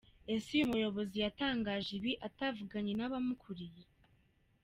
Ese uyu muyobozi yatangaje ibi atavuganye n’abamukuriye?